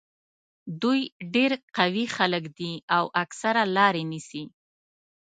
دوی ډېر قوي خلک دي او اکثره لارې نیسي.